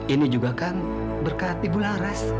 ini juga kan berkat ibu laras